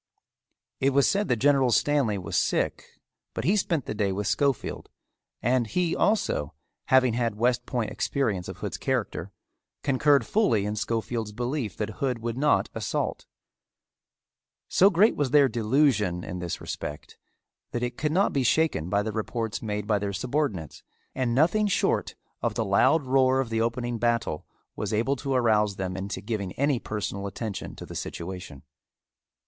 It was said that General Stanley was sick but he spent the day with Schofield and he also, having had West Point experience of Hood's character, concurred fully in Schofield's belief that Hood would not assault. So great was their delusion in this respect that it could not be shaken by the reports made by their subordinates, and nothing short of the loud roar of the opening battle was able to arouse them into giving any personal attention to the situation.